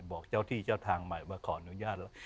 บอกเจ้าที่เจ้าทางใหม่ว่าขออนุญาต